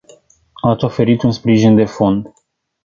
Ații au oferit un sprijin de fond.